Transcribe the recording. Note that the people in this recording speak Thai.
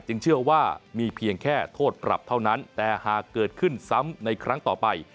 เชื่อว่ามีเพียงแค่โทษปรับเท่านั้นแต่หากเกิดขึ้นซ้ำในครั้งต่อไป